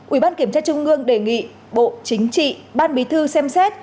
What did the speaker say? ủy ban kiểm tra trung ương đề nghị bộ chính trị ban bí thư xem xét